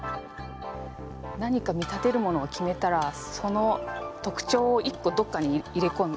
何か見立てるものを決めたらその特徴を１こどっかに入れこむ。